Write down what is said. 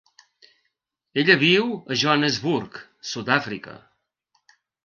Ella viu a Johannesburg, Sud-àfrica.